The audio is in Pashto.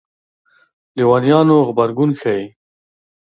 لېونیانو غبرګون ښيي.